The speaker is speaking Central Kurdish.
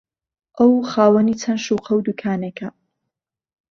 ئەو خاوەنی چەند شوقە و دوکانێکە